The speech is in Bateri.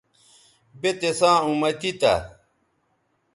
بے تِساں اُمتی تھا